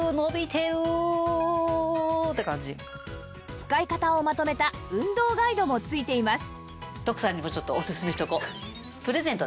使い方をまとめた運動ガイドも付いています